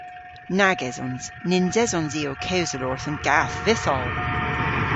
Nag esons. Nyns esons i ow kewsel orth an gath vytholl.